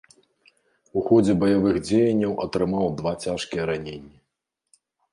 У ходзе баявых дзеянняў атрымаў два цяжкія раненні.